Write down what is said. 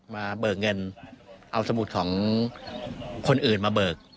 เบิกเงินเอาสมุดของคนอื่นมาเบิก